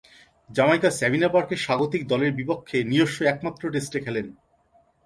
জ্যামাইকার সাবিনা পার্কে স্বাগতিক দলের বিপক্ষে নিজস্ব একমাত্র টেস্টে খেলেন।